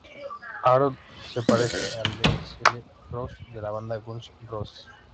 Harold se parece a Axl Rose de la banda Guns N' Roses.